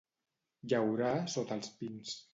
Llaurar sota els pins.